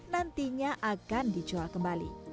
nantinya akan dijual kembali